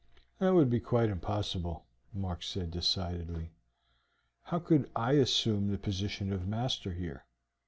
"That would be quite impossible," Mark said decidedly. "How could I assume the position of master here?